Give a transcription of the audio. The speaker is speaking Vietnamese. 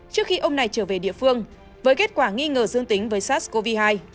trước khi ông này trở về địa phương với kết quả nghi ngờ dương tính với sars cov hai